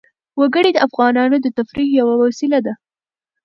وګړي د افغانانو د تفریح یوه وسیله ده.